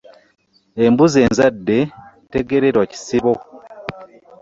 Embuzi enzadde tegererwa kisibo .